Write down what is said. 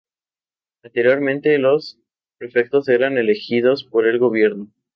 Anteriormente, los prefectos eran elegidos por el Gobierno.